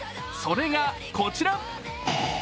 それがこちら。